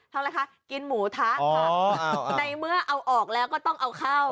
ทั้งอะไรคะกินหมูท้าในเมื่อเอาออกแล้วก็ต้องเอาเข้า